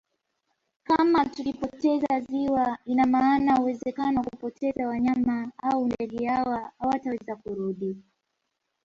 Kama tukipoteza ziwa ina maana uwezekano wa kupoteza wanyama au ndege hawa hawataweza kurudi